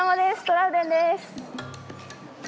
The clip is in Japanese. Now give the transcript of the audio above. トラウデンです！